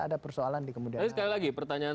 ada persoalan di kemudian sekali lagi pertanyaan